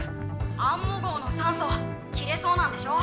「アンモ号の酸素切れそうなんでしょ」。